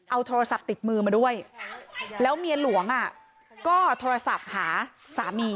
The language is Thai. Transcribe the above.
เอาโทรศัพท์ติดมือมาด้วยแล้วเมียหลวงก็โทรศัพท์หาสามี